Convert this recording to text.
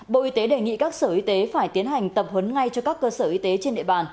bộ y tế đề nghị các sở y tế phải tiến hành tập huấn ngay cho các cơ sở y tế trên địa bàn